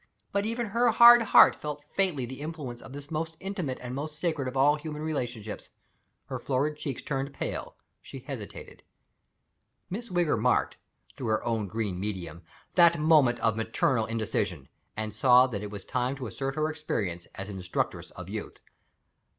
But even her hard heart felt faintly the influence of the most intimate and most sacred of all human relationships. Her florid cheeks turned pale. She hesitated. Miss Wigger marked (through her own green medium) that moment of maternal indecision and saw that it was time to assert her experience as an instructress of youth.